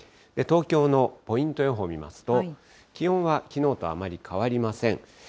東京のポイント予報を見ますと、気温はきのうとあまり変わりません。